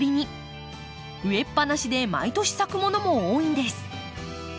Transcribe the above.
植えっぱなしで毎年咲くものも多いんです。